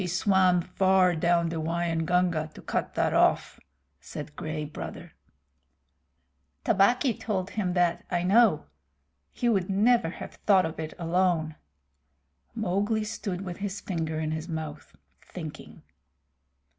"He swam far down the Waingunga to cut that off," said Gray Brother. "Tabaqui told him that, I know. He would never have thought of it alone." Mowgli stood with his finger in his mouth, thinking.